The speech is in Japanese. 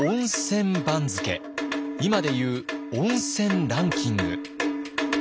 今でいう温泉ランキング。